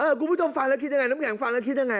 คุณผู้ชมฟังแล้วคิดยังไงน้ำแข็งฟังแล้วคิดยังไง